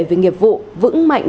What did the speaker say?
vì nghiệp vụ vững mạnh